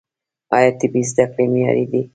آیا طبي زده کړې معیاري دي؟